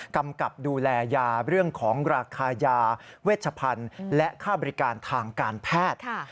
กำกับดูแลยาเรื่องของราคายาเวชพันธุ์และค่าบริการทางการแพทย์